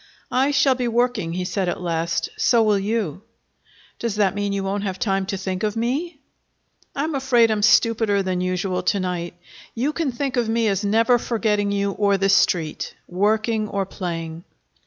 "I shall be working," he said at last. "So will you." "Does that mean you won't have time to think of me?" "I'm afraid I'm stupider than usual to night. You can think of me as never forgetting you or the Street, working or playing."